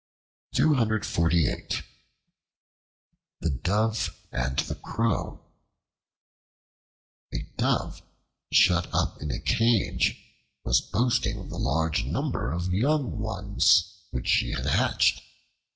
The Dove and the Crow A DOVE shut up in a cage was boasting of the large number of young ones which she had hatched.